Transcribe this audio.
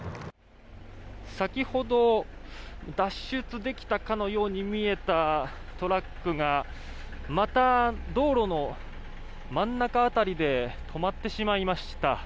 先ほど脱出できたかのように見えたトラックがまた道路の真ん中辺りで止まってしまいました。